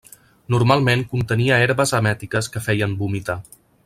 Normalment contenia herbes emètiques que feien vomitar.